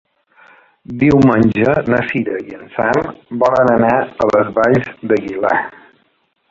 Diumenge na Cira i en Sam volen anar a les Valls d'Aguilar.